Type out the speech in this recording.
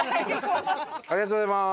ありがとうございます。